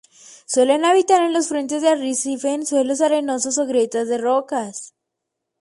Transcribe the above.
Suelen habitar en los frentes de arrecife, en suelos arenosos o grietas de rocas.